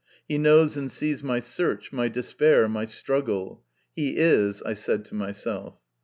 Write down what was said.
He knows and sees my search, my despair, my struggle. " He is," I said to myself.